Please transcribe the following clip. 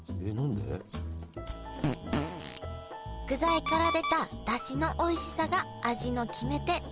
具材から出ただしのおいしさが味の決め手